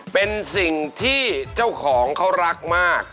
เป็นสิ่งที่เจ้าของเขารักมาก